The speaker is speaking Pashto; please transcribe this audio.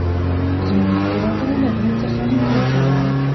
زموږ اراده له غره څخه هم کلکه ده.